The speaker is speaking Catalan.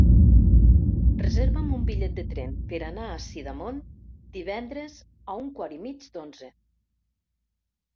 Reserva'm un bitllet de tren per anar a Sidamon divendres a un quart i mig d'onze.